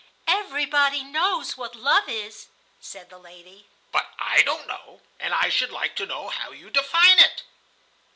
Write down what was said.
"Everybody knows what love is," said the lady. "But I don't know, and I should like to know how you define it."